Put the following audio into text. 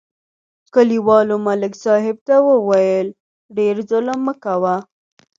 کلیوالو ملک صاحب ته وویل: ډېر ظلم مه کوه